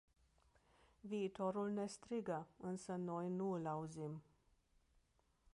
Viitorul ne strigă, însă noi nu îl auzim.